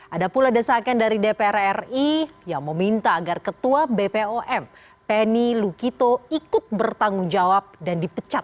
ada pula desakan dari dpr ri yang meminta agar ketua bpom penny lukito ikut bertanggung jawab dan dipecat